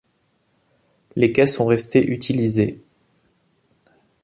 Les quais sont restés utilisés.